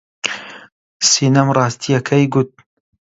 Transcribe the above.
سینەم ڕاستییەکەی گوت.